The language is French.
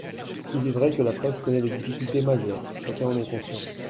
Il est vrai que la presse connaît des difficultés majeures, chacun en est conscient.